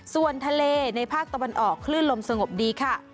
ส่วนทะเลในภาคตะวันออกคลื่นลมสงบดีค่ะ